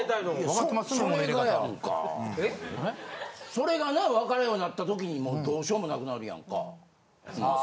それがな分からんようなった時にどうしようもなくなるやんか。